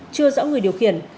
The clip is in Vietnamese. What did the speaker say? chưa rõ người điều khiển